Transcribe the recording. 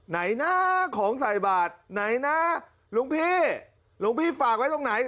ไหนนะของใส่บาทไหนนะหลวงพี่หลวงพี่ฝากไว้ตรงไหน